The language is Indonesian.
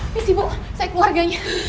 bisa ibu saya keluarganya